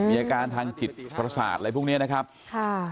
มีอาการทางจิตประสาทอะไรพวกเนี้ยนะครับค่ะ